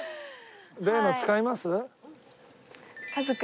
例の使います？